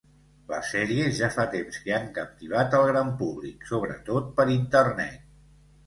Les sèries ja fa temps que han captivat el gran públic, sobretot per internet.